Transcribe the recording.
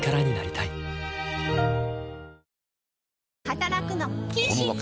働くの禁止！